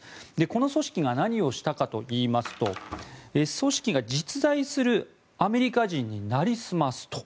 この組織が何をしたかといいますと組織が実在するアメリカ人に成り済ますと。